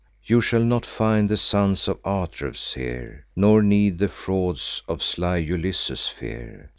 You shall not find the sons of Atreus here, Nor need the frauds of sly Ulysses fear.